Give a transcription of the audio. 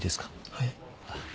はい。